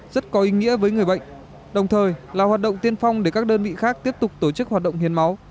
rất có ý nghĩa với người bệnh đồng thời là hoạt động tiên phong để các đơn vị khác tiếp tục tổ chức hoạt động hiến máu